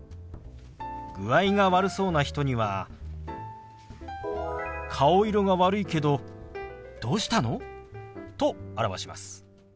具合が悪そうな人には「顔色が悪いけどどうしたの？」と表します。